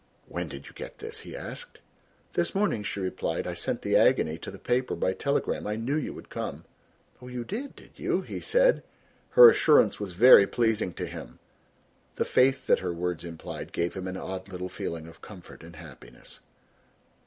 "When did you get this?" he asked. "This morning," she replied. "I sent the Agony to the paper by telegram, I knew you would come." "Oh, you did, did you?" he said. Her assurance was very pleasing to him. The faith that her words implied gave him an odd little feeling of comfort and happiness.